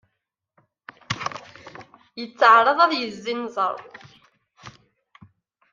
Yettɛaraḍ ad yezzinzer.